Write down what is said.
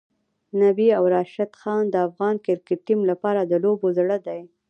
نبی او راشدخان د افغان کرکټ ټیم لپاره د لوبو زړه دی.